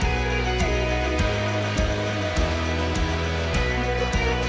cantik cantik banget